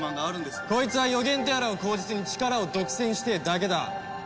こいつは予言とやらを口実に力を独占してえだけだ。